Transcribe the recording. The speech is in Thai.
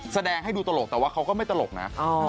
แสดงให้ดูตลกแต่ว่าเขาก็ไม่ตลกนะ